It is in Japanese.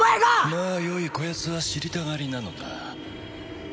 まあよいこやつは知りたがりなのだ